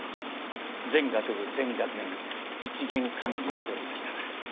全学部全学年一元管理しておりましたから。